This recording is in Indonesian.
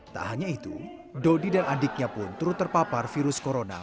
tak hanya itu dodi dan adiknya pun turut terpapar virus corona